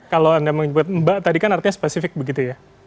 kalau anda menyebut mbak tadi kan artinya spesifik begitu ya